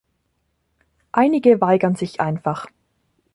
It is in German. Einige weigern sich einfach.